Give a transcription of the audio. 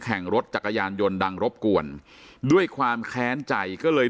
แข่งรถจักรยานยนต์ดังรบกวนด้วยความแค้นใจก็เลย